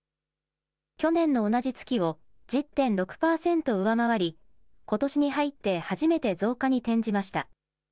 去年の同じ月を１０．６％上回り、ことしに入って初めて増加に転じました。